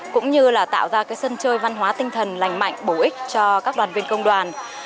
cũng như là tạo ra sân chơi văn hóa tinh thần lành mạnh bổ ích cho các đoàn viên công đoàn